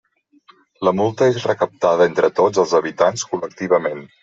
La multa és recaptada entre tots els habitants col·lectivament.